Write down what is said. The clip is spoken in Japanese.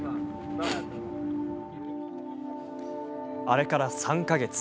あれから３か月。